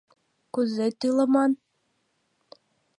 Кузе тӱлыман?!